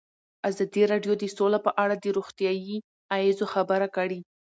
ازادي راډیو د سوله په اړه د روغتیایي اغېزو خبره کړې.